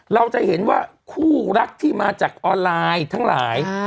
เราจะเห็นว่าคู่รักที่มาจากออนไลน์ทั้งหลาย